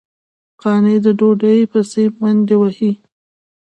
قانع د ډوډۍ پسې منډې وهلې.